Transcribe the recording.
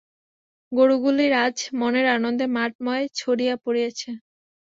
গোরুগুলি আজ মনের আনন্দে মাঠ-ময় ছড়াইয়া পড়িয়াছে।